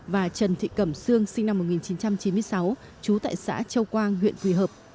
và trần thị cẩm sương sinh năm một nghìn chín trăm chín mươi sáu trú tại xã châu quang huyện quỳ hợp